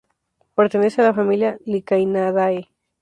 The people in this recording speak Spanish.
Pertenece a la familia Lycaenidae.